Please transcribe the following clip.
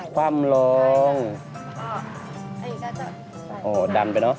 ดำไปเนอะดำไปเนอะ